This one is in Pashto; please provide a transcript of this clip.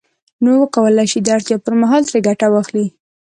نو وکولای شي د اړتیا پر مهال ترې ګټه واخلي